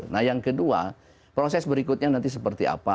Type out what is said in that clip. nah yang kedua proses berikutnya nanti seperti apa